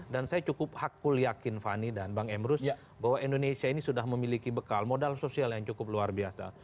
dan saya cukup hakul yakin fani dan bang emrus bahwa indonesia ini sudah memiliki bekal modal sosial yang cukup luar biasa